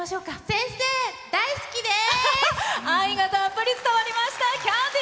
先生、大好きです！